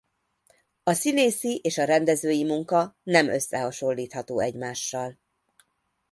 A színészi és a rendezői munka nem összehasonlítható egymással.